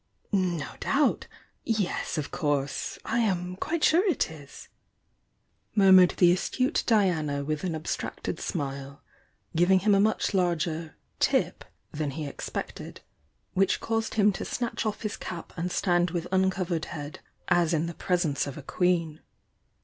"No doubt! — yes, of course! — I am quite sure it is!" murmured the astute Diana with an abstracted smile, giving him a much larger "tip" than he ex pected, which caused him to snatch off his cap and stand with uncovered head, as in the presence of a queen.